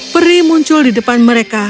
peri muncul di depan mereka